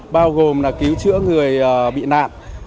bao gồm là cứu chữa người bị nạn